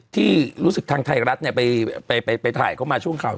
ที่รู้สึกทางไทยรัฐไปถ่ายเข้ามาช่วงข่าว